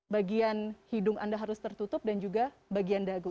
bagian hidung anda harus tertutup dan juga bagian dagu